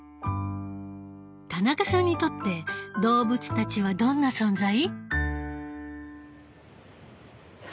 田中さんにとって動物たちはどんな存在？